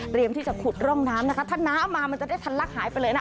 ที่จะขุดร่องน้ำนะคะถ้าน้ำมามันจะได้ทันลักหายไปเลยนะ